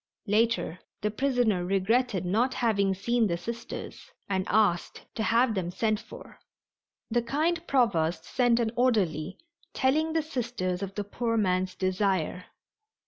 Later the prisoner regretted not having seen the Sisters, and asked to have them sent for. The kind Provost sent an orderly, telling the Sisters of the poor man's desire.